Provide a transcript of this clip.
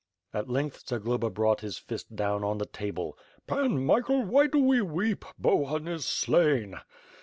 At length, Zagloba brought his fist down on the table: "Pan Michael, why do we weep, Bohun is slaia."